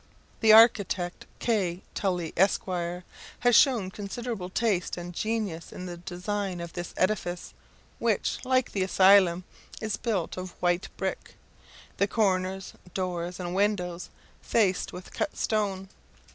The architect, K. Tully, Esq., has shown considerable taste and genius in the design of this edifice, which, like the asylum, is built of white brick, the corners, doors, and windows faced with cut stone.